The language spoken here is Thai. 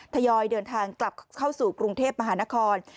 ทยอยเดินทางกลับเข้าสู่กรุงเทพมหานคร